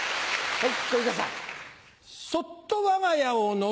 はい。